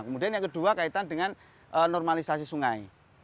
kemudian yang kedua kaitan dengan normalisasi sungai